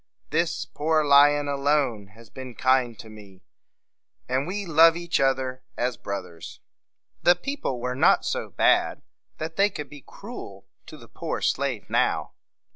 This poor lion alone has been kind to me; and we love each other as brothers." The people were not so bad that they could be cruel to the poor slave now.